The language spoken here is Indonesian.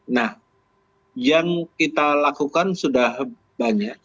nah yang kita lakukan sudah banyak